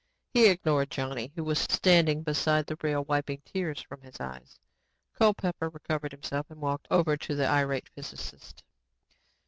He ignored Johnny who was standing beside the rail wiping tears from his eyes. Culpepper recovered himself and walked over to the irate physicist.